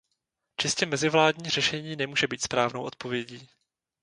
Čistě mezivládní řešení nemůže být správnou odpovědí.